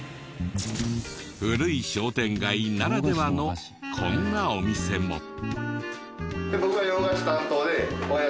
古い商店街ならではのこんなお店も。